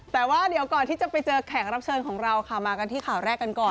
แต่ว่าเดี๋ยวก่อนที่จะไปเจอแขกรับเชิญของเราค่ะมากันที่ข่าวแรกกันก่อน